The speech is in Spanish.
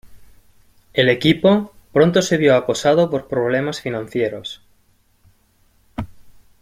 El equipo pronto se vio acosado por problemas financieros.